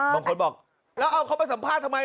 บางคนบอกแล้วเอาเขาไปสัมภาษณ์ทำไม